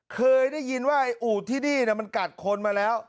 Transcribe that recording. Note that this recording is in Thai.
เคยได้ยินว่าไอ้อูดที่นี่มันกัดคนมาแล้ว